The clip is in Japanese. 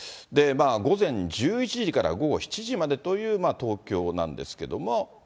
午前１１時から午後７時までという、東京なんですけども。